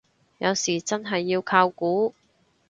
有時真係要靠估